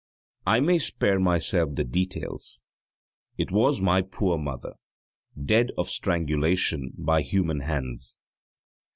I may spare myself the details; it was my poor mother, dead of strangulation by human hands!